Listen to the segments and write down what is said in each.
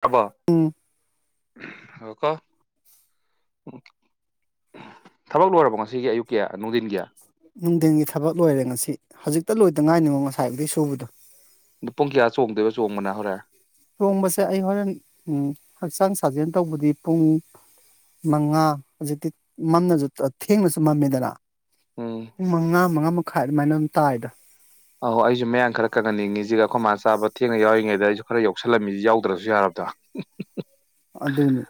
ꯇꯥꯃꯣ ꯊꯕꯛ ꯂꯣꯏꯔꯕꯣ ꯉꯁꯤꯒꯤ ꯑꯌꯨꯛꯀꯤꯌꯥ ꯅꯨꯡꯊꯤꯟ ꯀꯌꯥ ꯅꯨꯡꯊꯤꯟꯒꯤ ꯊꯕꯛ ꯂꯣꯏꯔꯦ ꯉꯁꯤ ꯍꯧꯖꯤꯛꯇ ꯂꯣꯏꯗꯉꯥꯏꯅꯤꯕꯣ ꯉꯁꯥꯏ ꯁꯨꯕꯗꯣ ꯑꯗꯨ ꯄꯨꯡ ꯀꯌꯥ ꯆꯣꯡꯗꯣꯏꯕ ꯆꯣꯡꯕꯅ ꯍꯣꯔꯦꯟ ꯆꯣꯡꯕꯁꯦ ꯑꯩ ꯍꯣꯔꯦꯟ ꯎ ꯍꯛꯆꯥꯡ ꯁꯥꯖꯦꯜ ꯇꯧꯕꯗꯤ ꯄꯨꯡ ꯃꯉꯥ ꯍꯧꯖꯤꯛꯇꯤ ꯃꯝꯅꯁꯨ ꯊꯦꯡꯅꯁꯨ ꯃꯝꯃꯦꯗꯅ ꯎꯝ ꯃꯉꯥ ꯃꯉꯥ ꯃꯈꯥꯏ ꯑꯗꯨꯃꯥꯏꯅ ꯑꯗꯨꯝ ꯇꯥꯏꯗ ꯑ ꯑꯩꯁꯨ ꯃꯌꯥꯝ ꯈꯔ ꯀꯪꯍꯟꯅꯤꯡꯉꯤꯁꯤꯒ ꯑꯩꯈꯣꯏ ꯃꯥ ꯆꯥꯕ ꯊꯦꯡꯅ ꯌꯥꯎꯔꯤꯉꯩꯗ ꯑꯩꯁꯨ ꯈꯔ ꯌꯧꯁꯜꯂꯝꯃꯤꯁꯤ ꯌꯥꯎꯗ꯭ꯔꯁꯨ ꯌꯥꯔꯕꯗ꯭ꯔꯣ ꯑꯗꯨ ꯑꯗꯨꯅꯤ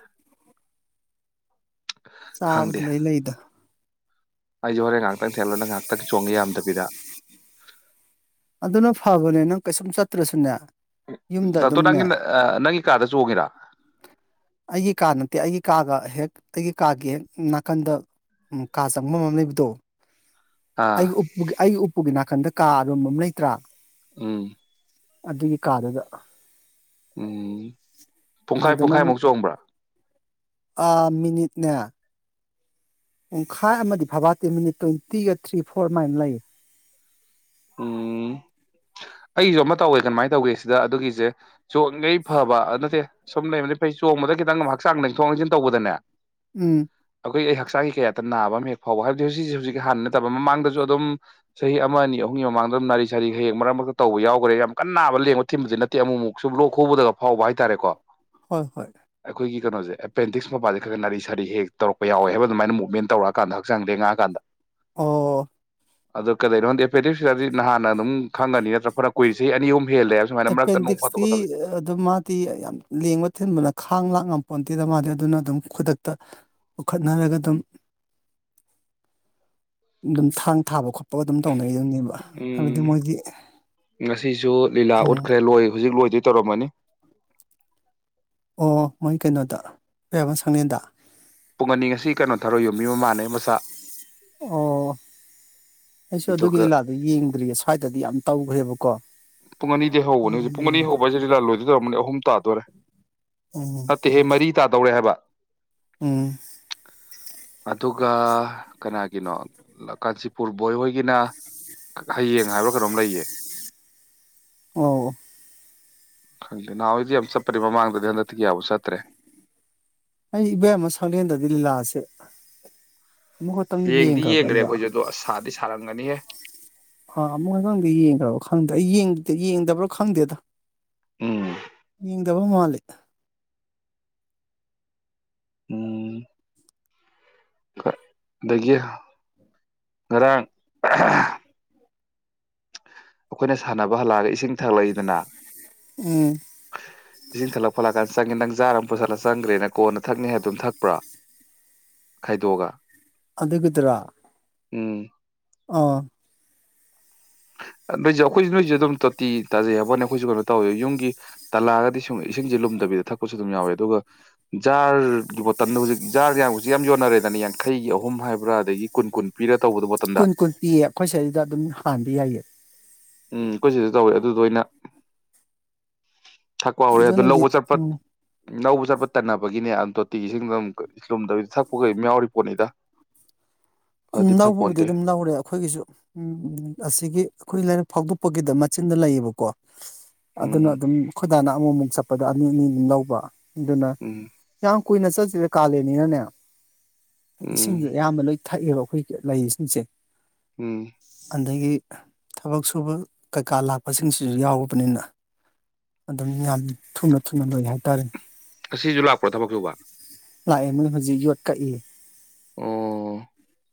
ꯆꯥꯕꯗꯤ ꯂꯣꯏ ꯂꯩꯗ ꯑꯩꯁꯦ ꯍꯣꯔꯦꯟ ꯉꯥꯏꯍꯥꯛꯇꯪ ꯊꯦꯜꯂꯣ ꯉꯥꯏꯍꯥꯛꯇꯪ ꯆꯣꯡꯉꯦ ꯌꯥꯝꯗꯕꯤꯗ ꯑꯗꯨꯅ ꯐꯕꯅꯦ ꯅꯪ ꯀꯩꯁꯨꯝ ꯆꯠꯇ꯭ꯔꯁꯨꯅꯦ ꯌꯨꯝꯗ ꯅꯇꯣ ꯑꯗꯨꯝꯅꯦ ꯅꯪꯒꯤ ꯅꯪꯒꯤ ꯀꯥꯗ ꯆꯣꯡꯏꯔꯥ ꯑꯩꯒꯤ ꯀꯥ ꯅꯠꯇꯦ ꯑꯩꯒꯤ ꯀꯥꯒ ꯍꯦꯛ ꯑꯩꯒꯤ ꯀꯥꯒꯤ ꯍꯦꯛ ꯅꯥꯀꯟꯗ ꯀꯥ ꯆꯪꯕ ꯃꯝ ꯂꯩꯕꯗꯣ ꯑꯩꯒꯤ ꯑꯥ ꯎ ꯑꯩꯒꯤ ꯎ ꯎꯒꯤ ꯅꯥꯀꯟ ꯀꯥꯔ ꯑꯃ ꯂꯩ [unintelligible] ꯎꯝ ꯑꯗꯨꯒꯤ ꯀꯥꯗꯨꯗ ꯎꯝ ꯄꯨꯡꯈꯥꯏ ꯑꯗꯨꯗꯅ ꯑꯃꯨꯛ ꯄꯨꯡꯈꯥꯏꯃꯨꯛ ꯆꯣꯡꯕ꯭ꯔꯥ ꯑꯥ ꯃꯤꯅꯤꯠꯅꯦ ꯄꯨꯡꯈꯥꯏ ꯑꯃꯗꯤ ꯐꯕꯥꯇꯤ ꯃꯤꯅꯤꯠ ꯇ꯭ꯋꯦꯟꯇꯤꯒ ꯊ꯭ꯔꯤ ꯐꯣꯔ ꯃꯥꯏꯅ ꯂꯩ ꯎꯝ ꯑꯩꯁꯨ ꯑꯃ ꯇꯧꯋꯦ ꯀꯃꯥꯏꯅ ꯇꯧꯒꯦ ꯁꯤꯗ ꯑꯗꯨꯒꯤꯁꯦ ꯆꯣꯡꯉꯩ ꯐꯕ ꯑꯗꯨ ꯅꯠꯇꯦ ꯁꯨꯝ ꯂꯩꯕꯗꯤ ꯐꯩ ꯆꯣꯡꯕꯗ ꯈꯤꯇꯪ ꯍꯛꯆꯥꯡ ꯂꯦꯡꯊꯣꯛ ꯂꯦꯡꯁꯤꯟ ꯇꯧꯕꯗꯅꯦ ꯎꯝ ꯑꯩꯈꯣꯏ ꯑꯩ ꯍꯛꯆꯥꯡꯒꯤ ꯀꯌꯥꯗ ꯅꯥꯕ ꯑꯃ ꯍꯦꯛ ꯐꯥꯎꯕ ꯍꯥꯏꯕꯗꯤ ꯍꯧꯖꯤꯛ ꯍꯧꯖꯤꯛ ꯍꯥꯟꯅ ꯅꯠꯇꯕ ꯃꯃꯥꯡꯗꯁꯨ ꯑꯗꯨꯝ ꯆꯍꯤ ꯑꯃꯅꯤ ꯑꯅꯤ ꯄꯨꯡꯒꯤ ꯃꯃꯥꯡꯗꯝ ꯅꯥꯔꯤ ꯁꯥꯔꯤ ꯍꯌꯦꯦꯛ ꯃꯔꯛ ꯃꯔꯛꯇ ꯇꯧꯕ ꯌꯥꯎꯈ꯭ꯔꯦ ꯌꯥꯝ ꯀꯟꯅꯅꯥꯕ ꯂꯦꯡꯕ ꯊꯤꯟꯕꯗꯤ ꯅꯠꯇꯦ ꯑꯃꯨꯛꯃꯨꯛꯁꯨ ꯂꯣꯛ ꯈꯨꯕꯗꯒ ꯐꯥꯎꯕ ꯍꯥꯏꯇꯥꯔꯦꯀꯣ ꯍꯣꯏ ꯍꯣꯏ ꯑꯩꯈꯣꯏꯒꯤ ꯀꯩꯅꯣꯁꯦ ꯑꯦꯄꯦꯟꯗꯤꯛꯁ ꯃꯄꯄꯥꯁꯦ ꯈꯔ ꯁꯥꯔꯤ ꯁꯥꯔꯤ ꯍꯦꯛ ꯇꯧꯔꯛ ꯌꯥꯎꯦ ꯍꯥꯏꯕ ꯑꯗꯨꯥꯏꯅ ꯃꯨꯚꯃꯦꯟ ꯇꯧꯔꯛꯑꯀꯥꯟ ꯍꯛꯥꯡ ꯂꯦꯡꯉꯛꯑꯀꯥꯟꯗ ꯑꯣ [unintelligible] ꯗꯗꯤ ꯅꯍꯥꯟꯅ ꯑꯗꯨꯝ ꯈꯪꯒꯅꯤ ꯅꯠꯇ꯭ꯔ ꯐꯔ ꯀꯨꯏꯁ ꯑꯅꯤ ꯑꯍꯨꯝ ꯍꯦꯜꯂꯦ ꯍꯥꯏꯕ ꯁꯨꯃꯥꯏꯅ ꯃꯔꯛꯇ ꯅꯣꯡ ꯑꯦꯄꯦꯟꯗꯤꯛꯁꯇꯤ ꯐꯥꯗꯣꯛꯀ ꯇꯧꯔꯤꯁꯦ ꯑꯗꯨ ꯃꯥꯗꯤ ꯌꯥꯝ ꯂꯦꯡꯕ ꯊꯤꯟꯕꯅ ꯈꯥꯡ ꯂꯥꯡ ꯉ ꯄꯣꯟꯇꯤꯗ ꯃꯥꯜꯂꯤꯦ ꯑꯗꯨꯅ ꯑꯗꯨꯝ ꯈꯨꯗꯛꯇ ꯄꯨꯈꯠꯅꯔꯒ ꯑꯗꯨꯝ ꯑꯗꯨꯝ ꯊꯥꯡ ꯊꯥꯕ ꯈꯣꯠꯄ ꯎꯝ ꯉꯁꯤꯁꯨ ꯂꯤꯂꯥ ꯎꯝ ꯎꯠꯈ꯭ꯔꯦ ꯂꯣꯏ ꯍꯧꯖꯤꯛ ꯂꯣꯏꯗꯣꯏ ꯇꯧꯔꯝꯃꯅꯤ [inaudible] ꯑꯣ ꯃꯣꯏ ꯀꯩꯅꯣꯗ ꯑꯌꯥꯝꯕ ꯁꯪꯪꯂꯦꯟꯗ ꯄꯨꯡ ꯑꯅꯤ ꯉꯁꯤ ꯀꯩꯅꯣ ꯊꯧꯔꯣꯏ ꯌꯣꯕꯤ ꯃꯃꯥꯟꯅꯦ ꯃꯆꯥ ꯑꯣ ꯑꯩꯁꯨ ꯑꯗꯨꯒꯤ ꯑꯗꯨꯒ ꯂꯤꯂꯥꯗꯨ ꯌꯦꯡꯗ꯭ꯔꯤꯌꯦ ꯁ꯭ꯋꯥꯏꯗꯗꯤ ꯌꯥꯝ ꯇꯧꯒ꯭ꯔꯦꯕꯀꯣ ꯄꯨꯡ ꯑꯅꯤꯗꯤ ꯍꯧꯕꯅꯦ ꯍꯧꯖꯤꯛ ꯄꯨꯡ ꯑꯅꯤ ꯍꯧꯕ ꯍꯥꯏꯁꯦ ꯂꯤ ꯂꯥ ꯂꯣꯏꯗꯣꯏ ꯇꯧꯔꯝꯅꯤ ꯍꯧꯖꯤꯛ ꯇꯥꯗꯣꯏꯔꯦ ꯅꯠꯇꯦꯍꯦ ꯃꯔꯤ ꯇꯥꯗꯧꯔꯦ ꯍꯥꯏꯕ ꯎꯝ ꯑꯗꯨꯒ ꯀꯅꯥꯒꯤꯅꯣ ꯀꯥꯟꯆꯤꯄꯨꯔ ꯕꯣꯏ ꯍꯣꯏꯒꯤꯅ ꯍꯌꯦꯡ ꯍꯥꯏꯕ꯭ꯔꯥ ꯀꯩꯅꯣꯝ ꯂꯩꯌꯦ ꯑꯣ ꯈꯪꯗꯦ ꯅꯍꯥꯟꯋꯥꯏꯗꯤ ꯌꯥꯝ ꯆꯠꯄꯅꯤ ꯃꯃꯥꯡꯗꯗꯤ ꯍꯟꯗꯛꯇ ꯀꯌꯥꯕꯨ ꯆꯠꯇ꯭ꯔꯦ ꯑꯩ ꯏꯕꯣꯌꯥꯏꯃ ꯁꯪꯂꯦꯟꯗꯗꯤ ꯂꯤꯂꯥꯁꯦ ꯑꯃꯨꯛꯈꯛꯇꯪ ꯌꯦꯡꯗꯤ ꯌꯦꯡꯈ꯭ꯔꯕ ꯌꯦꯡꯒ꯭ꯔꯦ ꯑꯩꯕ ꯑꯩꯈꯣꯏꯁꯦ ꯑꯗꯣ ꯁꯥꯗꯤ ꯁꯥꯔꯝꯒꯅꯤꯍꯦ ꯑꯥ ꯑꯃꯨꯛꯇꯪꯗ ꯌꯦꯡꯈ꯭ꯔꯕ ꯈꯪꯗ꯭ꯔꯦ ꯑꯩ ꯌꯦꯡꯗꯕꯔ ꯈꯪꯗꯦꯗ ꯎꯝ ꯌꯦꯡꯗꯕ ꯃꯥꯜꯂꯦ ꯎꯝ ꯑꯗꯒꯤ ꯉꯔꯥꯡ ꯑꯩꯈꯣꯏꯅ ꯁꯥꯟꯅꯕ ꯍꯜꯂꯛꯑꯒ ꯏꯁꯤꯡ ꯊꯛꯂꯛꯏꯗꯅ ꯎꯝ ꯏꯁꯤꯡ ꯊꯛꯂ ꯐꯣꯂ ꯈꯔ ꯆꯪꯉꯦ ꯅꯩ ꯖꯥꯔ ꯑꯃ ꯄꯨꯁꯤꯜꯂ ꯆꯪꯈ꯭ꯔꯦꯅ ꯀꯣꯟꯅ ꯊꯛꯅꯤ ꯍꯥꯏꯕꯗꯨ ꯊꯛꯄ꯭ꯔꯥ ꯈꯥꯏꯗꯣꯛꯑꯒ ꯑꯗꯨꯒꯤꯗꯨꯔꯣ ꯎꯝ ꯑꯥ ꯅꯣꯏꯁꯦ ꯑꯩꯈꯣꯏꯁꯨ ꯅꯣꯏꯁꯦ ꯑꯗꯨꯝ ꯇꯣꯇꯤ ꯇꯥꯖꯩ ꯍꯥꯏꯕꯩ ꯋꯣꯅꯤ ꯑꯩꯈꯣꯏꯁꯨ ꯀꯩꯅꯣ ꯇꯧꯋꯦ ꯌꯨꯝꯒꯤ ꯇꯜꯂꯛꯑꯒꯗꯤ ꯁꯨꯝ ꯏꯁꯤꯡꯁꯦ ꯂꯨꯝꯗꯕꯤꯗ ꯊꯛꯄꯁꯨ ꯑꯗꯨꯝ ꯌꯥꯎꯋꯦ ꯑꯗꯨꯒ ꯖꯥꯔꯒꯤ ꯕꯣꯇꯜꯗ ꯍꯧꯖꯤꯛ ꯖꯥꯔ ꯌꯥꯝ ꯍꯧꯖꯤꯛ ꯌꯥꯝ ꯌꯣꯟꯅꯔꯦꯗꯅ ꯌꯥꯡꯈꯩꯒꯤ ꯑꯍꯨꯝ ꯍꯥꯏꯕ꯭ꯔꯥ ꯑꯗꯒꯤ ꯀꯨꯟ ꯀꯨꯟ ꯄꯤꯔ ꯇꯧꯕꯗꯣ ꯕꯣꯇꯜꯗ ꯀꯨꯟ ꯀꯨꯟ ꯄꯤꯌꯦ ꯑꯩꯈꯣꯏ ꯁꯤꯗꯩꯗ ꯑꯗꯨꯝ ꯍꯥꯟꯕꯗꯤ ꯌꯥꯏꯌꯦ ꯎꯝ ꯑꯩꯈꯣꯏ ꯁꯤꯗ ꯇꯧꯋꯦ ꯑꯗꯨꯗꯣ ꯑꯣꯏꯅ ꯊꯛꯄ ꯍꯧꯔꯦ ꯑꯗꯨ ꯑꯗꯨꯅꯗꯤ ꯂꯧꯕ ꯆꯠꯄ ꯎꯝ ꯂꯧꯕ ꯆꯠꯄ ꯇꯟꯅꯕꯒꯤꯅꯦ ꯑꯗꯨꯝ ꯇꯣꯇꯤꯒꯤꯁꯤꯡꯗ ꯑꯗꯨꯝ ꯂꯨꯝꯗꯕꯤ ꯊꯛꯄ ꯀꯝ ꯌꯥꯎꯔꯤ ꯄꯣꯠꯅꯤꯗ ꯐꯗꯤ ꯂꯧꯕꯕꯨꯗꯤ ꯐꯄꯣꯟꯇꯦ ꯑꯗꯨꯝ ꯂꯧꯔꯦ ꯑꯩꯈꯣꯏꯒꯤꯁꯨ ꯎ ꯑꯁꯤꯒꯤ ꯑꯩꯈꯣꯏ ꯂꯩꯔꯛ ꯐꯥꯎꯗꯣꯛꯄꯒꯤꯗ ꯃꯆꯤꯟꯗ ꯂꯩꯌꯦꯕꯀꯣ ꯑꯗꯨꯅ ꯎꯝ ꯑꯗꯨꯝ ꯗꯥꯅ ꯑꯃꯨꯃꯨꯛ ꯆꯠꯄꯗ ꯑꯅꯤ ꯑꯅꯤ ꯑꯝ ꯂꯧꯕ ꯗꯨꯅ ꯎꯝ ꯌꯥꯝ ꯀꯨꯏꯅ ꯆꯠꯁꯤꯗ ꯀꯥꯜꯂꯦꯟꯅꯤꯅꯅꯦ ꯏꯁꯤꯡꯗꯤ ꯎꯝ ꯑꯌꯥꯝꯕ ꯂꯣꯏ ꯊꯛꯑꯦꯕ ꯑꯩꯈꯣꯏ ꯂꯩ ꯏꯁꯤꯡꯁꯦ ꯎꯝ ꯑꯗꯒꯤ ꯊꯕꯛ ꯁꯨꯕ ꯀꯩꯀꯥ ꯂꯥꯛꯄꯁꯤꯡꯁꯤꯁꯨ ꯌꯥꯎꯕꯅꯤꯅ ꯑꯗꯨꯝ ꯌꯥꯝ ꯊꯨꯅ ꯊꯨꯅ ꯂꯣꯏ ꯍꯥꯏꯇꯥꯔꯦ ꯉꯁꯤꯁꯨ ꯂꯥꯛꯄ꯭ꯔꯣ ꯊꯕꯛ ꯁꯨꯕ ꯂꯥꯛꯑꯦ ꯃꯣꯏ ꯍꯧꯖꯤꯛ ꯌꯣꯠ ꯀꯛꯏ ꯑꯣ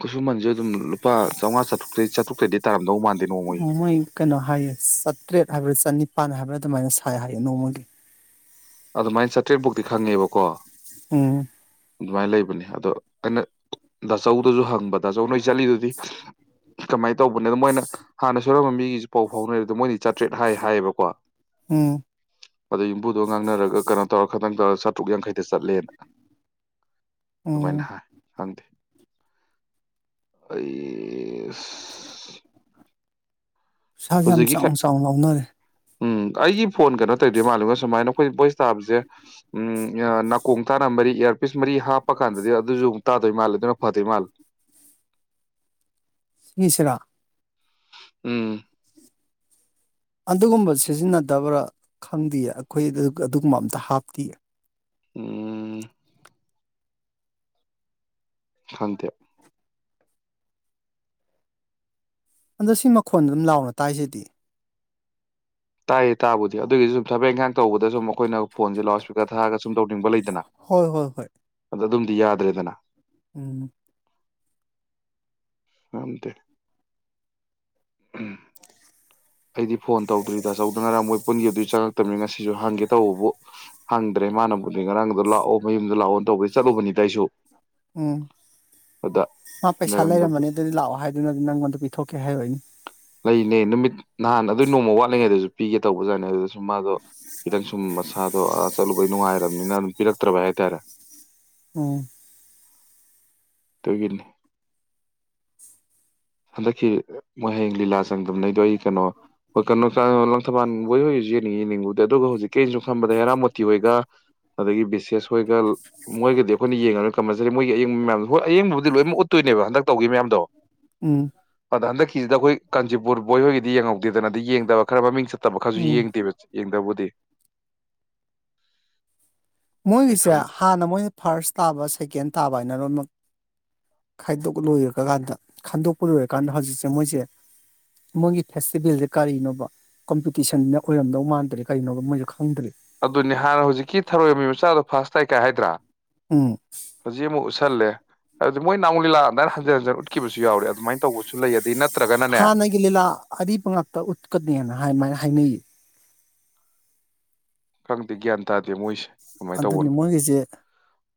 ꯈꯨꯁꯨꯃꯟꯁꯨ ꯑꯗꯨꯝꯨꯄꯥ ꯆꯥꯝꯃꯉꯥ ꯆꯥꯇ꯭ꯔꯨꯛꯩ ꯆꯥꯇꯨꯛꯛꯇꯩꯗꯤ ꯇꯔꯥ ꯎꯃ ꯀꯩꯅꯣ ꯍꯥꯏꯌꯦ ꯁꯠꯇ꯭ꯔꯦꯠ ꯍꯥꯏꯕ꯭ꯔꯥ ꯆꯅꯤꯄꯥꯟ ꯍꯥꯏꯕ꯭ꯔꯥ ꯑꯗꯨꯃꯥꯏꯅ ꯁꯥꯏ ꯍꯥꯏꯌꯦ ꯅꯣꯡꯃꯒꯤ ꯑꯗꯨꯃꯥꯏꯅ ꯆꯥꯇ꯭ꯔꯦꯠ ꯐꯨꯛꯇꯤ ꯈꯪꯉꯦꯕꯀꯣ ꯎꯝ ꯑꯗꯨꯃꯥꯏꯅ ꯂꯩꯕꯅꯤ ꯑꯗꯣ ꯑꯩꯅ ꯗꯥꯆꯧꯗꯁꯨ ꯍꯪꯕ ꯗꯥꯆꯧ ꯅꯣꯏ ꯆꯠꯂꯤꯗꯨꯗꯤ ꯀꯃꯥꯏꯅ ꯇꯧꯕꯅꯦ ꯃꯣꯏꯅ ꯍꯥꯟꯅ ꯁꯣꯏꯣꯔꯝꯕ ꯃꯤꯒꯤꯁꯨ ꯄꯥꯎ ꯐꯥꯎꯅꯔꯦ ꯑꯗꯣ ꯃꯣꯏꯗꯤ ꯆꯥꯇ꯭ꯔꯦꯠ ꯍꯥꯏꯌꯦꯕꯀꯣ ꯎꯝ ꯑꯗ ꯏꯗꯣ ꯉꯥꯡꯅꯔꯒ ꯀꯩꯅꯣ ꯇꯧꯔ ꯈꯈꯤꯇꯪ ꯇꯧꯔ ꯆꯥꯇ꯭ꯔꯨꯛ ꯌꯥꯡꯈꯩꯗ ꯆꯠꯂꯦꯅ ꯎꯝ ꯇꯕꯥꯥꯏꯅꯍꯥꯏ ꯍꯪ ꯑꯩ ꯎ ꯏꯁꯥꯁꯦ ꯌꯥꯝ ꯆꯥꯎꯅ ꯆꯥꯎꯅ ꯉꯥꯎꯅꯔꯦ ꯎꯝ ꯑꯩꯒꯤ ꯐꯣꯟ ꯀꯩꯅꯣ ꯇꯧꯗꯣꯏ ꯃꯥꯜꯂꯒ ꯁꯨꯃꯥꯏꯅ ꯑꯩꯈꯣꯏ ꯕꯣꯏꯁ ꯇꯥꯕꯁꯦ ꯎ ꯅꯥꯀꯣꯡ ꯇꯥꯅ ꯃꯔꯤ ꯏꯌꯥꯔꯄꯤꯤꯁ ꯃꯔꯤ ꯍꯥꯞꯄ ꯀꯥꯟꯗꯗꯤ ꯑꯗꯨꯁꯨ ꯑꯃꯨꯛ ꯇꯥꯗꯣꯏ ꯃꯥꯜꯂꯦ ꯑꯗꯨꯅ ꯐꯗꯣꯏ ꯃꯥꯜꯂꯦ ꯃꯤꯁ꯭ꯔꯥ ꯎꯝ ꯑꯗꯨꯒꯨꯝꯕ ꯁꯤꯖꯤꯟꯅꯗꯕ꯭ꯔꯥ ꯈꯪꯗꯦꯌꯦ ꯑꯩꯈꯣꯏ ꯑꯗꯨꯒꯨꯝꯕ ꯑꯝꯇ ꯍꯥꯞꯇꯌꯦ ꯎꯝ ꯈꯪꯗꯦ ꯑꯟꯗ ꯁꯤ ꯃꯈꯣꯟꯗ ꯑꯗꯨꯝ ꯂꯥꯎꯅ ꯇꯥꯏꯁꯤꯗꯤ ꯇꯥꯏꯌꯦ ꯇꯥꯕꯨꯗꯤ ꯑꯗꯨꯒꯤꯁꯨ ꯁꯨꯝ ꯊꯕꯛ ꯏꯪꯈꯥꯡ ꯇꯧꯕꯗ ꯁꯨꯝ ꯑꯩꯈꯣꯏꯅ ꯐꯣꯟꯁꯦ ꯂꯥꯎꯔꯁꯄꯤꯔ ꯊꯔꯒ ꯇꯕ ꯂꯩꯗ ꯍꯣꯏ ꯍꯣꯏ ꯍꯣꯏ ꯑ ꯗꯤ ꯌꯥꯗ꯭ꯔꯦꯗꯅ ꯎꯝ ꯑꯝꯗ ꯑꯩꯗꯤ ꯐꯣꯟ ꯇꯧꯗ꯭ꯔꯤ ꯇꯥꯆꯧꯗꯣ ꯉꯔꯥꯡ ꯃꯣꯏ ꯄꯨꯟꯈꯤꯕꯗꯨꯗꯤ ꯆꯪꯉꯛꯇꯕꯅꯤ ꯉꯁꯤꯁꯨ ꯍꯪꯒꯦ ꯇꯧꯕꯕꯨ ꯍꯪꯗ꯭ꯔꯦ ꯃꯥꯅꯕꯨꯗꯤ ꯉꯔꯥꯡꯗꯨꯗ ꯂꯥꯛꯑꯣ ꯃꯌꯨꯝꯗ ꯂꯥꯛꯑꯣꯅ ꯇꯧꯕꯩ ꯆꯠꯂꯨꯕꯅꯤ ꯇ ꯑꯩꯁꯨ ꯎꯝ ꯑꯗ ꯃꯥ ꯄꯩꯁꯥ ꯂꯩꯔꯝꯗꯕ ꯂꯩꯔꯝꯕꯅꯤ ꯑꯗꯨꯗꯤ ꯂꯥꯛꯑꯣ ꯍꯥꯏꯗꯨꯅꯗꯤ ꯅꯪꯉꯣꯟꯗ ꯄꯤꯊꯣꯛꯀꯦ ꯍꯥꯏꯔꯣꯏꯅꯤ ꯂꯩꯅꯦ ꯅꯨꯃꯤꯠ ꯅꯍꯥꯟ ꯑꯗꯨꯏ ꯅꯣꯡꯃ ꯋꯥꯠꯂꯤꯉꯩꯗꯁꯨ ꯄꯤꯒꯦ ꯇꯧꯕꯖꯥꯠꯅꯦ ꯑꯗꯨꯁꯨ ꯁꯨꯝ ꯃꯥꯗꯣ ꯈꯤꯇꯪ ꯁꯨꯝ ꯃꯁꯥꯗꯣ ꯆꯠꯂꯨꯕꯩ ꯅꯨꯡꯉꯥꯏꯔꯕꯅꯤꯅ ꯑꯗꯨꯝ ꯄꯤꯔꯛꯇ꯭ꯔꯕ ꯍꯥꯏꯇꯥꯔꯦ ꯑꯣ ꯇꯒꯤꯅꯤ ꯍꯟꯗꯛꯀꯤꯣꯏ ꯍꯌꯦꯡ ꯂꯤꯂꯥ ꯆꯪꯗꯝꯅꯩꯗꯣ ꯑꯩ ꯀꯩꯅꯣ ꯍꯣꯏ ꯀꯩꯅꯣ ꯂꯪꯊꯕꯥꯜ ꯍꯣꯏ ꯍꯣꯏꯁꯨ ꯌꯦꯡꯅꯤꯡꯉꯤ ꯌꯦꯡꯅꯤꯡꯉꯨꯗꯦ ꯑꯗꯨꯒ ꯍꯧꯖꯤꯛꯀꯤꯩꯅꯁꯨ ꯈꯟꯕꯗ ꯍꯦꯔꯥꯃꯣꯇꯤ ꯍꯣꯏꯒ ꯑꯗꯒꯤ ꯕꯤꯁꯦꯁ ꯍꯣꯏꯒ ꯃꯣꯏꯒꯗꯤ ꯑꯩꯈꯣꯏꯅ ꯌꯦꯡꯉꯒ ꯀꯝꯃꯟꯖꯔꯤ ꯃꯣꯏ ꯑꯡꯕ ꯃꯌꯥꯝꯗꯣ ꯍꯣꯏ ꯑꯌꯦꯕꯕꯨꯗꯤ ꯂꯣꯏꯃꯛ ꯎꯠꯇꯣꯏꯅꯦꯕ ꯍꯟꯗꯛ ꯇꯧꯒꯤ ꯃꯌꯥꯝꯗꯣ ꯎꯝ ꯑꯗ ꯍꯟꯛꯀꯤꯁꯤꯗ ꯑꯈꯣꯏ ꯀꯥꯟꯆꯤꯄꯨꯔ ꯕꯣꯏ ꯍꯣꯏꯗꯤ ꯌꯦꯡꯍꯧꯗꯦꯗꯅ ꯑꯗꫭ ꯌꯦꯡꯗꯕ ꯈꯔ ꯃꯃꯤꯡ ꯆꯠ ꯇꯕ ꯈꯔꯁꯨ ꯎꯝ ꯌꯦꯡꯗꯦꯕ ꯌꯦꯡꯗꯕꯨꯗꯤ ꯑꯩ ꯃꯣꯏꯒꯤꯁꯦ ꯈꯪꯗꯦ ꯍꯥꯟꯅ ꯃꯣꯏꯅ ꯐꯥꯔꯁ ꯇꯥꯕ ꯁꯦꯀꯦꯟ ꯇꯥꯕ ꯍꯥꯏ ꯅꯔꯣꯟ ꯈꯥꯏꯗꯣꯛ ꯂꯣꯏꯔꯀꯥꯟꯗ ꯈꯥꯏꯗꯣꯛꯄ ꯂꯣꯏꯔꯀꯥꯟꯗ ꯍꯧꯖꯤꯛꯁꯦ ꯃꯣꯏꯁꯦ ꯃꯣꯏꯒꯤ ꯐꯦꯁꯇꯤꯚꯦꯜꯁꯦ ꯀꯔꯤꯅꯣꯕ ꯀꯣꯝꯄꯤꯇꯤꯁꯟꯗ ꯑꯣꯏꯔꯝꯗꯧ ꯃꯥꯟꯗ꯭ꯔꯦ ꯀꯔꯤꯅꯣꯕ ꯃꯣꯏ ꯑꯗꯨꯅꯤ ꯍꯥꯟꯅ ꯍꯧꯖꯤꯛꯀꯤ ꯊꯥꯔꯣꯏꯃꯤ ꯥꯗ ꯐꯥꯥꯁꯁ ꯇꯥꯏ ꯀꯥꯏ ꯍꯥꯏꯗ꯭ꯔꯥ ꯎꯝ ꯇꯜꯂꯦ ꯑꯗꯨꯃꯣꯏ ꯅꯥꯎꯌꯃꯨꯛ ꯂꯤꯂꯥ ꯑꯗꯥꯏꯅ ꯍꯟꯖꯤꯟ ꯍꯟꯖꯤꯟ ꯎꯠꯈꯤꯕꯁꯨ ꯌꯥꯎꯔꯦ ꯑꯗꯨꯃꯥꯏꯅ ꯇꯧꯕꯁꯨ ꯂꯩ ꯑꯗꯩ ꯅꯠ ꯍꯥꯟꯅꯒꯤ ꯂꯤꯂꯥ ꯑꯔꯤꯕ ꯉꯥꯛꯇ ꯎꯠꯀꯅꯦꯅ ꯑꯃꯥꯏꯅ ꯍꯥꯏꯅꯩꯌꯦ ꯈꯪꯗꯦ ꯒ꯭ꯌꯥꯟ ꯇꯥꯗꯦ ꯃꯣꯏꯁꯦ ꯀꯃꯥꯏꯅ ꯑꯗꯨꯅꯤ ꯇꯧꯕꯅꯣ ꯃꯣꯏꯒꯤꯁꯦ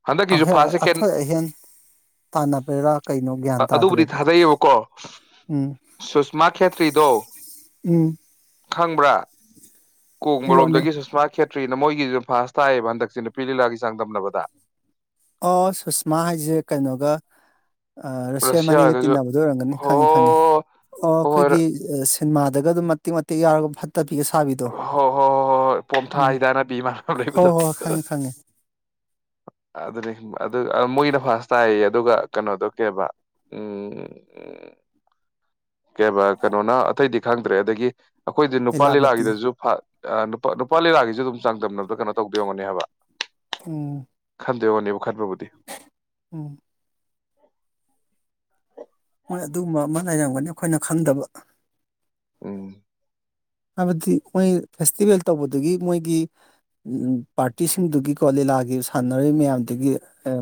ꯍꯟꯗꯛꯀꯤꯁꯨ ꯐꯥꯔꯁ ꯁꯦꯀꯦꯟ ꯑꯊꯣꯏ ꯑꯍꯦꯟ ꯇꯥꯟꯅꯕꯩꯔꯥ ꯀꯩꯅꯣ ꯒ꯭ꯌꯥꯟ ꯑꯗꯨꯕꯨꯗꯤ ꯇꯥꯗ꯭ꯔꯦꯕ ꯊꯥꯗꯩꯌꯦꯕꯀꯣ ꯎꯝ ꯁꯨꯁꯃꯥ ꯈꯦꯇ꯭ꯔꯤꯗꯣ ꯎꯝ ꯈꯪꯕ꯭ꯔꯥ ꯍꯥꯏꯔꯛꯑꯣꯅꯦ ꯀꯣꯡꯕꯔꯣꯝꯗꯒꯤ ꯁꯨꯁꯃꯥ ꯈꯦꯠ ꯇꯔꯤꯅ ꯃꯣꯏꯒꯤꯁꯨ ꯐꯥꯁ ꯇꯥꯏꯌꯦꯕ ꯍꯟꯗꯛꯁꯦ ꯅꯨꯄꯤ ꯂꯤꯂꯥꯒꯤ ꯆꯥꯡꯗꯝꯅꯕꯗ ꯑꯣ ꯑ ꯔꯁꯤꯌꯥꯃꯅꯤꯒ ꯔꯁꯤꯌꯥꯒꯁꯨ ꯇꯤꯟꯅꯕꯗꫭ ꯑꯣꯏꯔꯝꯒꯅꯤ ꯍꯣ ꯈꯪꯉꯦ ꯈꯪꯉꯦ ꯑꯣ ꯍꯣꯏ ꯍꯣꯏ ꯑꯈꯣꯏꯒꯤ ꯁꯤꯃꯥꯥꯗꯒ ꯑꯗꯨꯝ ꯃꯇꯦꯛ ꯃꯇꯦꯛ ꯌꯥꯎꯔꯒ ꯐꯠ ꯍꯣꯏ ꯍꯣꯏ ꯍꯣꯏ ꯍꯣꯏ ꯍꯣꯏ ꯄꯣꯝꯊꯥ ꯎꯝ ꯍꯗꯥꯅ ꯕꯤꯃꯥꯟꯅꯕ ꯍꯣꯏ ꯂꯩꯕꯗꯣ ꯍꯣꯏ ꯈꯪꯉꯦ ꯈꯪꯉꯦ ꯑꯗꯨꯅꯤ ꯑꯗꯨ ꯃꯣꯏꯒꯤꯅ ꯐꯔꯁ ꯇꯥꯏꯌꯦ ꯑꯗꯨꯒ ꯀꯩꯅꯣꯗꫭ ꯀꯩꯕ ꯎꯝ ꯎꯝ ꯀꯩꯑꯕ ꯀꯩꯅꯣꯅ ꯑꯇꯩꯗꯤ ꯈꯪꯗ꯭ꯔꯦ ꯑꯗꯒꯤ ꯑꯈꯣꯏꯗꯤ ꯅꯨꯄꯥ ꯂꯤꯂꯥꯕꯇꯤ ꯂꯤꯂꯥꯒꯤꯗꯁꯨ ꯅꯨꯄꯥ ꯅꯨꯄꯥ ꯂꯤꯂꯥꯒꯤꯖꯨ ꯑꯗꯨꯝ ꯆꯥꯡꯗꯝꯅꯕꯗ ꯀꯩꯅꯣ ꯇꯧꯗꫭꯏ ꯑꫭꯏꯔꯝꯒꯅꯤ ꯍꯥꯏꯕ ꯎꯝ [unintelligible] ꯈꯠꯄꯥꯕꯨꯗꯤ ꯎꯝ ꯃꯣꯏ ꯑꯗꯨꯒꯨꯝꯕ ꯑꯃ ꯂꯩꯔꯝꯒꯅꯤ ꯑꯈꯣꯏꯅ ꯈꯪꯗꯕ ꯎꯝ ꯍꯥꯏꯕꯗꯤ ꯃꯣꯏ ꯐꯦꯁꯇꯤꯚꯦꯜ ꯇꯧꯕꯗꯨꯒꯤ ꯃꯣꯏꯒꯤ ꯄꯥꯔꯇꯤꯁꯤꯡꯗꯨꯒꯤꯀꯣ ꯂꯤꯂꯥꯒꯤ ꯁꯥꯟꯅꯔꯤꯕ ꯃꯌꯥꯝꯗꯨꯒꯤ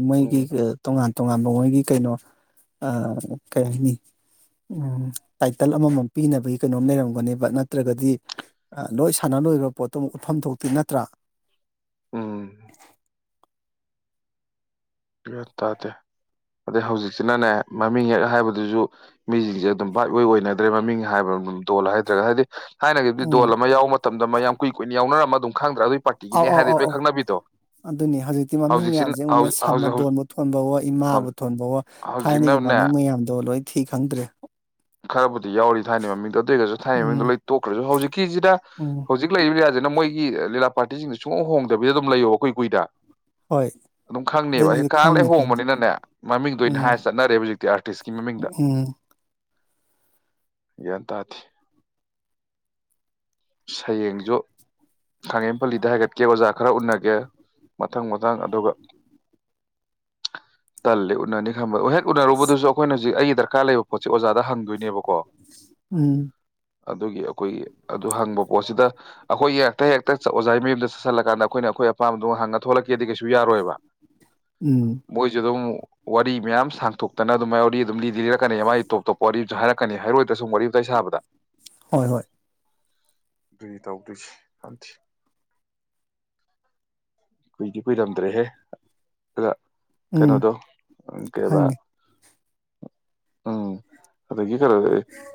ꯃꯣꯏꯒꯤ ꯎꯝ ꯇꯣꯉꯥꯟ ꯇꯣꯉꯥꯟꯕ ꯃꯣꯏꯒꯤ ꯀꯩꯅꯣ ꯑ ꯀꯩ ꯍꯥꯏꯅꯤ ꯇꯥꯏꯇꯜ ꯑꯃꯃꯝ ꯄꯤꯅꯕꯒꯤ ꯀꯩꯅꯣꯝ ꯂꯩꯔꯝꯒꯅꯦꯕ ꯅꯠꯇ ꯇ꯭ꯔꯒꯗꯤ ꯂꯣꯏ ꯁꯥꯟꯅ ꯂꯣꯏꯒ꯭ꯔꯕ ꯄꯣꯠꯇꯨ ꯑꯃꯨꯛ ꯎꯠꯐꯝ ꯊꯣꯛꯇꯤ ꯅꯠꯇ꯭ꯔꯥ ꯎꯝ ꯌꯥꯟ ꯇꯥꯗꯦ ꯑꯗꯩ ꯍꯧꯖꯤꯛꯁꯤꯅꯅꯦ ꯃꯃꯤꯡ ꯍꯦꯛ ꯍꯥꯏꯕꯗꯨꯁꯨ ꯃꯤꯁꯤꯡꯁꯦ ꯑꯗꯨꯝ ꯕꯥꯏꯠ ꯏꯌꫭꯏ ꯑꯣꯏꯅꯗ꯭ꯔꯦ ꯃꯃꯤꯡ ꯍꯥꯏꯕ ꯗꯣꯜ ꯍꯥꯏꯗ꯭ꯔꯒ ꯍꯥꯏꯗꯤ ꯊꯥꯏꯅꯒꯤꯈꯤ ꯗꯣꯜ ꯎꯝ ꯑꯃ ꯌꯥꯎꯕ ꯃꯇꯝꯗ ꯃꯌꯥꯝ ꯀꯨꯏ ꯀꯨꯏꯅ ꯌꯥꯎꯅꯔꯝꯃ ꯑꯗꯨꯝ ꯈꯪꯗ꯭ꯔ ꯑꯧ ꯑꯧ ꯑꯧ ꯑꯧ ꯑꯗꯨꯅꯤ ꯍꯧꯖꯤꯛꯇꯤ ꯃꯃꯤꯡ ꯍꯧꯖꯤꯛꯁꯤꯅ ꯃꯌꯥꯝꯁꯦ ꯍꯧ ꯎꯟꯅꯁ ꯍꯧꯖꯤꯛ ꯊꯃꯗꯣꯟꯕꯨ ꯊꯣꯟꯕꯋꯣ ꯍꯧ ꯏꯃꯥꯕꯨ ꯊꯣꯟꯕꯋꯣ ꯊꯥꯏꯅꯒꯤ ꯍꯧꯖꯤꯛꯅꯅꯦ ꯃꯃꯤꯡ ꯃꯌꯥꯝꯗꯣ ꯑꯣ ꯂꯣꯏ ꯊꯤ ꯈꯪꯗ꯭ꯔꯦ ꯈꯔꯕꯨ ꯌꯥꯎꯔꯤ ꯊꯥꯏꯅ ꯃꯃꯤꯡꯣ ꯑꯗꯨ ꯑꯣꯏꯔꯒꯁꯨ ꯊꯥꯏꯅ ꯎꯝ ꯃꯃꯤꯡꯗꯣ ꯂꯣꯏ ꯇꯣꯛꯈ꯭ꯔꯁꯨ ꯍꯧꯖꯤꯛꯀꯤꯁꯤꯗ ꯎꯝ ꯍꯧꯖꯤꯛ ꯂꯩꯔꯤꯕ ꯃꯣꯏꯒꯤ ꯂꯤꯂꯥ ꯄꯥꯔꯇꯤꯁꯤꯡꯗ ꯁꯨꯡꯎ ꯍꯣꯡꯗꯕꯤꯗ ꯑꯗꯨꯝ ꯂꯩꯌꯣ ꯀꯨꯏ ꯀꯨꯏꯗ ꯍꯣꯏ ꯑꯗꯨꯝ ꯈꯪꯅꯦꯕ ꯑꯦ ꯑꯗꯨꯗꯤ ꯀꯂꯦꯛ ꯈꯪꯅꯤ ꯈꯪꯅꯤ ꯍꯣꯡꯕꯅꯤꯅꯅꯦ ꯃꯃꯤꯡꯗꯅꯦ ꯎꯝ ꯍꯥꯏ ꯆꯠꯅꯔꯦ ꯍꯧꯖꯤꯛꯇꯤ ꯑꯥꯔꯇꯤꯁꯀꯤ ꯃꯃꯤꯡꯗ ꯎꯝ ꯒꯟ ꯇ ꯊ ꯁꯌꯦꯡꯁꯨ ꯈꯥꯉꯦꯝ ꯄꯂꯤꯗ ꯍꯥꯏꯒꯠꯀꯦ ꯑꯣꯖꯥ ꯈꯔ ꯎꯅꯒꯦ ꯃꯊꯪ ꯃꯊꯪ ꯑꯗꯨꯒ ꯇꯂ ꯎꯅꯅꯤ ꯈꯝꯃꯦ ꯍꯦꯛ ꯎꯅꯔꯨꯕꯗꯁꯨꯈꯣꯏꯅ ꯍꯧꯖꯤꯛ ꯑꯩ ꯗꯔꯥ ꯂꯩꯕ ꯄꯣꯦ ꯎꯝ ꯑꯣꯖ ꯑꯗꯨ ꯄꯣꯠꯁꯤꯗ ꯑꯩꯈꯣꯏ ꯍꯦꯛꯇ ꯍꯦꯛꯇ ꯑꯣꯖꯥꯒꯤ ꯃꯌꯨꯝꯗ ꯆꯠꯜꯂꯀꯥꯟꯗ ꯑꯩꯈꯣꯏꯅ ꯑꯩꯈꯣꯏ ꯑꯄꯥꯝꯕꯗ ꯍꯉ ꯊꯣꯛꯂꯛꯀꯦꯗꯤ ꯀꯩꯁꯨ ꯌꯥꯔꯣꯏꯕ ꯎꯝ ꯃꯣꯏꯁꯨꯦ ꯑꯗꯨꯝ ꯋꯥꯔꯤ ꯃꯌꯥꯝ ꯁꯥꯡꯇꯣꯛꯇꯅ ꯑꯗꯨꯝꯥꯏ ꯌꯥꯎꯔꯤ ꯑꯗꯨꯝ ꯂꯤꯔꯛꯀꯅꯦ ꯃꯥ ꯑꯩ ꯇꯣꯞ ꯇꯣꯞꯄ ꯋꯥꯔꯤꯁꯨ ꯍꯥꯏꯔ ꯀꯛꯀꯅꯤ ꯍꯥꯏꯔꯣꯏꯗ ꯁꯨꯝ ꯋꯥꯔꯤ ꯋꯥꯇꯥꯏ ꯁꯥꯕꯗ ꯍꯣꯏ ꯍꯣꯏ ꯑꯗꯨꯏ ꯇꯧꯗꯣꯏꯁꯦ ꯍꯊꯤ ꯀꯨꯏꯗꯤ ꯀꯨꯏꯔꯝꯗ꯭ꯔꯦꯍꯦ ꯑꯗꯨꯗ ꯎꯝ ꯀꯩꯅꯩꯅꯣꯗꯣ ꯀꯦꯕꯥ ꯈꯪꯉꯦ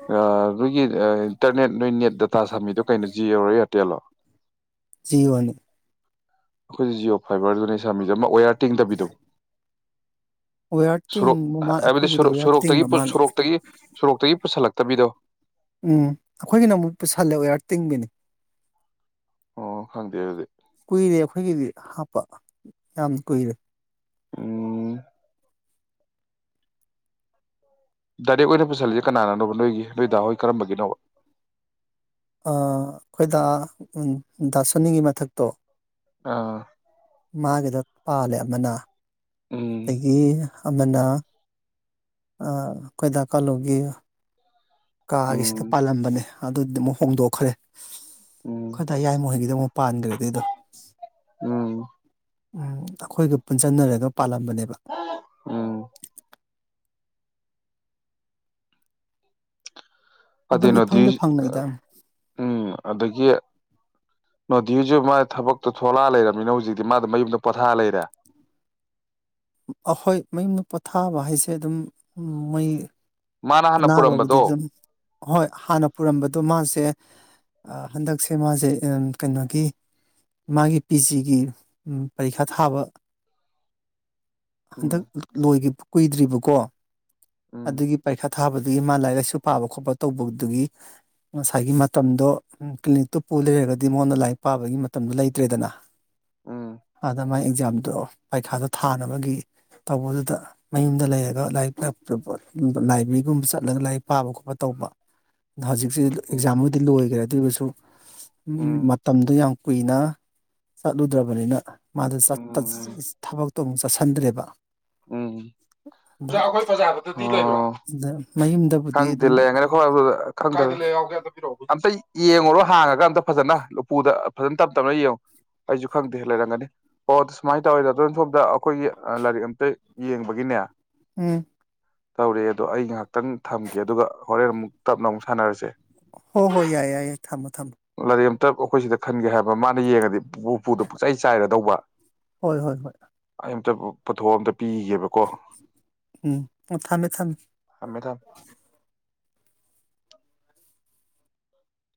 ꯈꯔꯦꯒꯤ ꯏꯟꯇꯔꯅꯦꯠ ꯅꯣꯏꯅꯦꯠ ꯗꯇꯥ ꯁꯥꯃꯤꯗꯣ ꯀꯩꯅꯣ ꯖꯤꯌꯔꯣ ꯑꯦꯌꯥꯔꯇꯦꯜꯂꯣ ꯖꯤꯑꯣꯅꯤ ꯑꯩꯈꯣꯏꯁꯦ ꯖꯤꯑꯣ ꯐꯥꯏꯕꯔꯗꯨꯅꯦ ꯁꯥꯥꯃꯤꯖ ꯑꯃ ꯑꯣꯌꯥꯔ ꯇꯦꯡꯗꯕꯤꯗꯣ ꯋꯦꯌꯥꯔ ꯣꯔꯣꯛ ꯇꯤꯡꯕ ꯃꯥꯜ ꯍꯥꯏꯕꯗꯤ ꯑꯩꯈꯣꯏꯒꯤꯗꯤ ꯋꯦꯌꯥꯔ ꯇꯤꯡꯕ ꯁꯣꯔꯣꯛꯇꯒꯤ ꯃꯥꯜꯂꯦ ꯁꯣꯔꯣꯛꯇꯒꯤ ꯁꯣꯔꯣꯛꯇꯒꯤ ꯄꯨꯁꯤꯜꯂꯛꯄ ꯇꯕꯤꯗꯣ ꯎꯝ ꯑꯩꯈꯣꯏꯒꯤꯅ ꯑꯃꯨꯛ ꯄꯨꯁꯤꯜꯂꯦ ꯑꯣꯌꯥꯔ ꯇꯤꯡꯕꯤꯅꯤ ꯑꯣ ꯈꯪꯗꯦ ꯑꯗꯨꯗꯤ ꯀꯨꯏꯔꯦ ꯑꯩꯈꯣꯏꯒꯤꯗꯤ ꯍꯥꯞꯄ ꯌꯥꯝ ꯀꯨꯏꯔꯦ ꯎꯝ ꯗꯥꯏꯔꯦꯛ ꯑꯣꯏꯅ ꯄꯨꯁꯤꯜꯂꯤꯁꯦ ꯀꯅꯥꯅꯅꯣꯕ ꯅꯣꯏꯒꯤ ꯅꯣꯏꯗꯥ ꯍꯣꯏ ꯀꯔꯝꯕꯒꯤꯅꯣꯕ ꯑꯩꯈꯣꯏꯗ ꯗꯥꯁꯣꯅꯤꯒꯤ ꯃꯊꯛꯇꯣ ꯑꯥ ꯃꯥꯒꯤꯗ ꯄꯥꯜꯂꯦ ꯑꯃꯅ ꯎꯝ ꯑꯠꯇꯗꯒꯤ ꯑꯃꯅ ꯀꯈꯣꯏꯗ ꯀꯂꯨꯒꯤ ꯀꯥꯒꯤꯁꯤꯗ ꯎꯝ ꯄꯥꯜꯂꯝꯕꯅꯦ ꯑꯗꯨꯗꯤ ꯑꯃꯨꯛ ꯍꯣꯡꯗꯣꯛꯈ꯭ꯔꯦ ꯎꯝ ꯈꯣꯏꯗꯥꯏ ꯌꯥꯏ ꯍꯩꯒꯤꯗ ꯑꯃꯨꯛ ꯄꯥꯟꯈ꯭ꯔꯦ ꯑꯗꯨꯗꯣ ꯎꯝ ꯎꯝ ꯑꯩꯈꯣꯏꯒ ꯄꯨꯟꯁꯤꯟꯅꯔꯒ ꯄꯥꯜꯂꯝꯕꯅꯦꯕ ꯎꯝ ꯑꯗꯨꯝ ꯑꯗꯨꯅꯗꯤ ꯏꯐꯪꯗ ꯐꯪꯅꯩꯗ ꯎꯝ ꯑꯗꯒꯤ ꯅꯣꯙꯤꯖꯤꯨ ꯃꯥ ꯊꯕꯛꯇꯣ ꯊꯣꯂꯛꯑ ꯂꯩꯔꯝꯃꯤꯅ ꯍꯧꯖꯤꯛꯇꯤ ꯃꯥꯗ ꯃꯌꯨꯝꯗ ꯄꯣꯊꯥ ꯂꯩꯔꯦ ꯑꯩꯈꯣꯏ ꯃꯌꯨꯝꯗ ꯄꯣꯊꯥꯕ ꯍꯥꯏꯁꯦ ꯑꯗꯨꯝ ꯃꯩꯏ ꯃꯥꯅ ꯍꯥꯟꯅ ꯑꯅꯥꯕꯕꯨꯗ ꯄꯨꯔꯝꯕꯗꯣ ꯑꯗꯨꯝ ꯍꯣꯏ ꯍꯥꯟꯅ ꯄꯨꯔꯝꯕꯗꯣ ꯃꯥꯁꯦ ꯍꯟꯗꯛꯁꯦ ꯃꯥꯁꯦ ꯀꯩꯅꯣꯒꯤ ꯃꯥꯒꯤ ꯄꯤ ꯖꯤꯒꯤ ꯄꯔꯤꯈꯥ ꯊꯥꯕ ꯎꯝ ꯍꯟꯗꯛ ꯂꯣꯏꯈꯤꯕ ꯀꯨꯏꯗ꯭ꯔꯤꯕꯀꯣ ꯎꯝ ꯑꯗꯨꯒꯤ ꯄꯩꯈꯥ ꯊꯥꯕꯗꯒꯤ ꯃꯥ ꯂꯥꯏꯔꯤꯛ ꯂꯥꯏꯁꯨ ꯄꯥꯕ ꯈꯣꯠꯄ ꯇꯧꯕꯗꯨꯒꯤ ꯉꯁꯥꯏꯒꯤ ꯃꯇꯝꯗꯣ ꯀ꯭ꯂꯤꯅꯤꯛꯇꯨ ꯄꯨ ꯂꯩꯔꯒꯗꯤ ꯃꯉꯣꯟꯗ ꯂꯥꯏꯔꯤꯛ ꯄꯥꯕꯒꯤ ꯃꯇꯝꯗꯣ ꯂꯩꯇ꯭ꯔꯦꯗꯅ ꯎꯝ ꯑꯗꯃ ꯑꯦꯛꯖꯥꯝꯗꯣ ꯄꯩꯈꯥꯗꯣ ꯊꯥꯅꯕꯒꯤ ꯇꯧꯕꯗꯨꯗ ꯃꯌꯨꯝꯗ ꯂꯩꯔꯒ ꯂꯥꯏꯔꯤꯛ ꯂꯥꯏꯕ꯭ꯔꯦꯔꯤꯒꯨꯝꯕ ꯆꯠꯂꯒ ꯂꯥꯏꯔꯤꯛ ꯄꯥꯕ ꯈꯣꯠꯄ ꯇꯧꯕ ꯍꯧꯖꯤꯛꯁꯤ ꯎꯝ ꯑꯦꯛꯖꯥꯝꯕꯨꯗꯤ ꯂꯣꯏꯈ꯭ꯔꯦ ꯑꯗꯨ ꯑꯣꯏꯔꯁꯨ ꯎꯝ ꯃꯇꯝꯗꯣ ꯌꯥꯝ ꯀꯨꯏꯅ ꯆꯠꯂꯨꯗ꯭ꯔꯕꯅꯤꯅ ꯃꯥꯗ ꯆꯥꯠꯄ ꯎꯝ ꯊꯕꯛ ꯇꯣꯡ ꯆꯥꯁꯤꯟꯗ꯭ꯔꯦꯕ ꯎꯝ ꯑꯣꯖꯥ ꯑꯩꯈꯣꯏ ꯄꯖꯥꯕꯗꯨꯗꯤ ꯑꯣ ꯑꯗꯨꯗ ꯈꯪꯗꯂꯦ ꯑꯗꯨꯗ ꯂꯩꯔꯝꯒꯅꯤ ꯄꯤꯔꯛ ꯑꯣ ꯑꯝꯇ ꯌꯦꯡꯉꯨꯔꯣ ꯍꯥꯡꯉꯒ ꯑꯝꯇ ꯐꯖꯅ ꯂꯄꯨꯗ ꯐꯖꯅ ꯇꯞ ꯇꯞꯅ ꯌꯦꯡꯉꯨ ꯑꯩꯁꯨ ꯈꯪꯗꯦ ꯂꯩꯔꯝꯒꯅꯤ ꯑꯣ ꯁꯨꯃꯥꯏꯅ ꯇꯧꯋꯦꯗ ꯑꯗꯝ ꯁꯣꯝꯗ ꯑꯩꯈꯣꯏꯒꯤ ꯂꯥꯏꯔꯤꯛ ꯑꯝꯇ ꯌꯦꯡꯕꯒꯤꯅꯦ ꯎꯝ ꯇꯧꯔꯛꯑꯦ ꯑꯗꯣ ꯑꯩ ꯉꯥꯏꯍꯥꯛꯇꯪ ꯊꯝꯒꯦ ꯑꯗꯨꯒ ꯍꯣꯔꯦꯟ ꯑꯃꯨꯛ ꯇꯞꯅ ꯑꯃꯨꯛ ꯁꯥꯟꯅꯔꯁꯦ ꯍꯣꯏ ꯌꯥꯏ ꯌꯥꯏ ꯌꯥꯏ ꯊꯝꯃꯣ ꯊꯝꯃꯣ ꯇꯞ ꯑꯩꯈꯣꯏ ꯁꯤꯗ ꯈꯟꯒꯦ ꯍꯥꯏꯕ ꯃꯥꯅ ꯌꯦꯡꯉꯗꯤ ꯎ ꯎꯄꯨꯗꯨ ꯄꯨꯆꯩ ꯆꯥꯏꯔꯗꯧꯕ ꯍꯣꯏ ꯍꯣꯏ ꯍꯣꯏ ꯑꯩ ꯇ ꯄꯨꯊꯝꯗ ꯄꯤꯒꯦꯕꯀꯣ ꯎꯝ ꯑꯣ ꯊꯝꯃꯦ ꯊꯝꯃꯦ ꯊꯝꯃꯦ ꯊꯝ